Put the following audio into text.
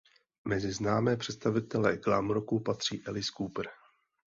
Mezi známé představitele glam rocku patří Alice Cooper.